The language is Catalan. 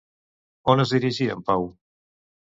On es dirigia en Pau?